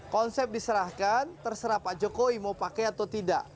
konsep diserahkan terserah pak jokowi mau pakai atau tidak